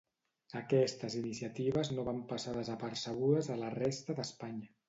Aquestes iniciatives no van passar desapercebudes a la resta d'Espanya.